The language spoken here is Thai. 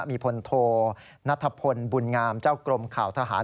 มีพลโทนัทพลบุญงามเจ้ากรมข่าวทหาร